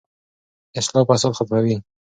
اصلاح فساد ختموي.